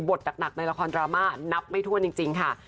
หนักในละครดราม่านับไม่ถ้วนจริงค่ะ